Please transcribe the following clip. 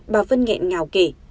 bà vân nghẹn ngào kể